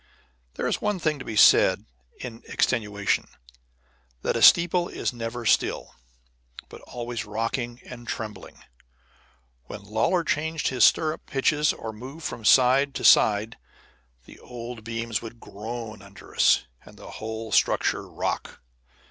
There is one thing to be said in extenuation, that a steeple is never still, but always rocking and trembling. When Lawlor changed his stirrup hitches or moved from side to side the old beams would groan under us, and the whole structure rock.